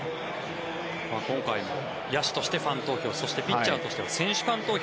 今回も野手としてファン投票そしてピッチャーとしては選手間投票。